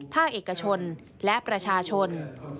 ภาคเอกชนและประชาชน